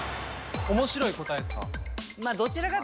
面白い答えですか？